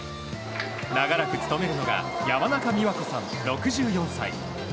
長らく務めるのが山中美和子さん、６４歳。